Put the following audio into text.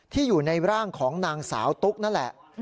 อยู่ในร่างของนางสาวตุ๊กนั่นแหละ